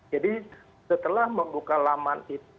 jadi setelah membuka laman itu